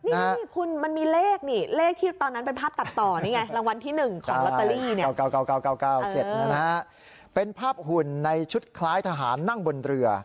นี่คุณมันมีเลขนี่เลขที่ตอนนั้นเป็นภาพตัดต่อนี่ไง